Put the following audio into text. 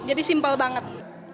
jadi simple banget